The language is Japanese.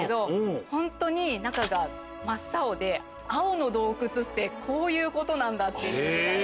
本当に中が真っ青で青の洞窟ってこういうことなんだ！っていう。